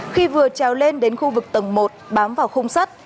khi vừa trèo lên đến khu vực tầng một bám vào khung sắt